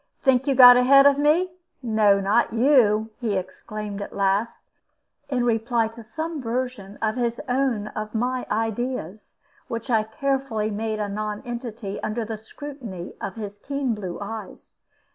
"Think you got ahead of me? No, not you," he exclaimed at last, in reply to some version of his own of my ideas, which I carefully made a nonentity under the scrutiny of his keen blue eyes.